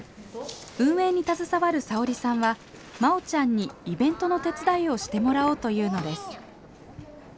運営に携わるさおりさんはまおちゃんにイベントの手伝いをしてもらおうというのです。